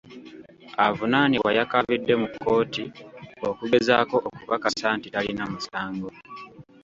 Avunaanibwa yakaabidde mu kkooti okugezaako okukakasa nti talina musango.